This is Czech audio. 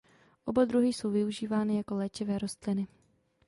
Oba druhy jsou využívány jako léčivé rostliny.